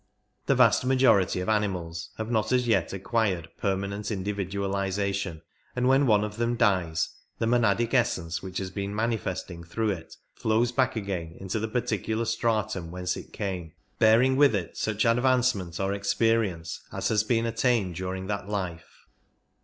The vast majority of animals have not as yet acquired permanent individualization, and when one of them dies the monadic essence which has been manifesting through it flows back a<;ain into the particular stratum whence it came, bearing with it such advance ment or experience as has been attained during that life.